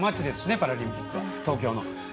パラリンピック東京の。